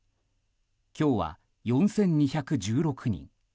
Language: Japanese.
今日は４２１６人。